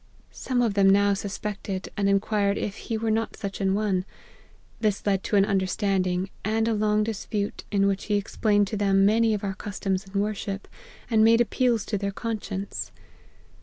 " Some of them now suspected, and inquired if he were not such an one. This led to an under standing, and a long dispute, in which he explain ed to them many of our customs in worship, and made appeals to their conscience.